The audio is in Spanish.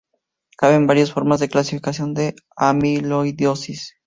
Caben varias formas de clasificación de la amiloidosis.